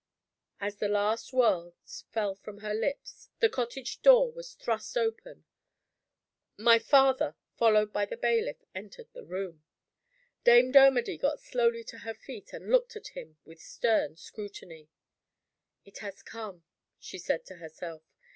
As the last words fell from her lips the cottage door was thrust open. My father followed by the bailiff entered the room. Dame Dermody got slowly on her feet, and looked at him with a stern scrutiny. "It has come," she said to herself.